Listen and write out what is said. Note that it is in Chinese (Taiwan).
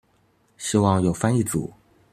希望有翻譯組